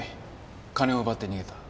金を奪って逃げた。